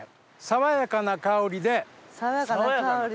爽やかな香りで？